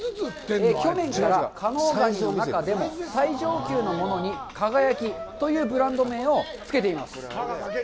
去年から加能ガニの中でも最上級のものに輝というブランド名をつけています。